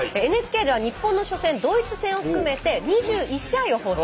ＮＨＫでは日本の初戦ドイツ戦を含めて２１試合を放送します。